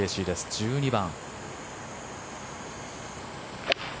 １２番。